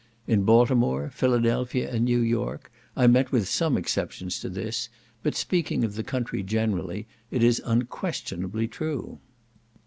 In Baltimore, Philadelphia, and New York, I met with some exceptions to this; but speaking of the country generally, it is unquestionably true.